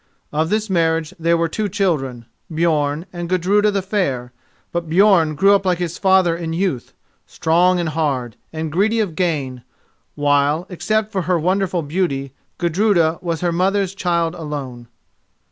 Of this marriage there were two children, Björn and Gudruda the Fair; but Björn grew up like his father in youth, strong and hard, and greedy of gain, while, except for her wonderful beauty, Gudruda was her mother's child alone.